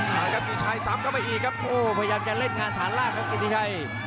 มาครับมีชัยซ้ำเข้าไปอีกครับโอ้พยายามจะเล่นงานฐานล่างครับกิติชัย